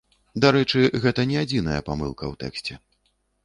Дарэчы, гэта не адзіная памылка ў тэксце.